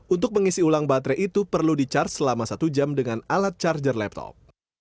untuk mengisi ulang baterai itu perlu di charge selama satu jam dengan alat charger laptop